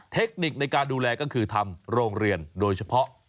เทคนิคในการดูแลก็คือทำโรงเรือนโดยเฉพาะ